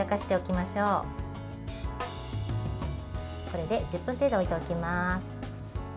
これで１０分程度置いておきます。